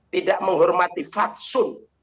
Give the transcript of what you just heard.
tidak menghormati faksun